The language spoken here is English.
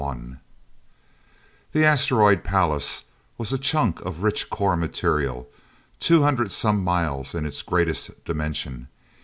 VI The asteroid, Pallas, was a chunk of rich core material, two hundred some miles in its greatest dimension.